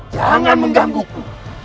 jangan mengganggu ku